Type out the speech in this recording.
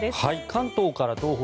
関東から東北